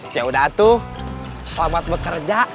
yaudah tuh selamat bekerja